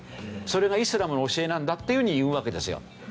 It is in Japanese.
それがイスラムの教えなんだっていうふうに言うわけですよ。